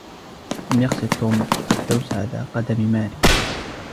لم يقصد توم الدوس على قدم ماري.